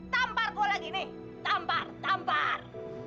tampar gue lagi nih tampar tampar